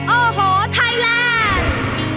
โอ้โหไทยแลนด์